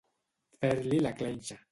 Fer-li la clenxa.